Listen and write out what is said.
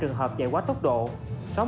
sáu mươi chín trường hợp chạy quá tải cổng